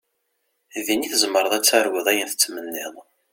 Din i tzemreḍ ad targuḍ ayen tettmenniḍ.